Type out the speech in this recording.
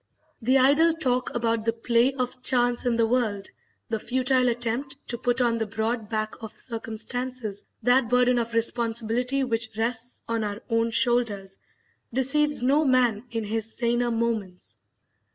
The idle talk about the play of chance in the world, the futile attempt to put on the broad back of circumstances that burden of responsibility which rests on our own shoulders, deceives no man in his saner moments.